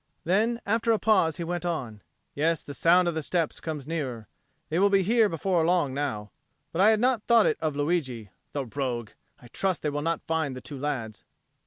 Then, after a pause, he went on, "Yes, the sound of the steps comes nearer. They will be here before long now. But I had not thought it of Luigi. The rogue! I trust they will not find the two lads."